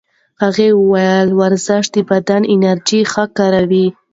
هغې وویل ورزش د بدن انرژي ښه کاروي.